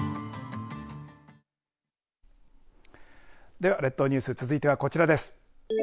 では列島ニュース続いてはこちらです。